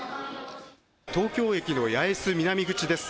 東京駅の八重洲南口です。